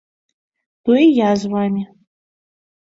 То і я з вамі.